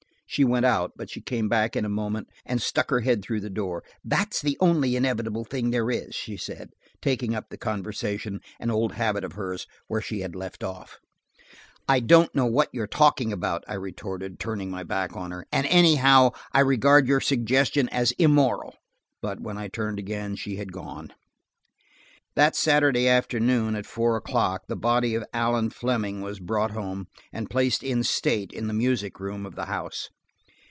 She went out, but she came back in a moment and stuck her head through the door. "That's the only inevitable thing there is," she said, taking up the conversation–an old habit of hers–where she had left off. "I don't know what you are talking about," I retorted, turning my back on her. "And anyhow, I regard your suggestion as immoral." But when I turned again, she had gone. That Saturday afternoon at four o'clock the body of Allan Fleming was brought home, and placed in state in the music room of the house.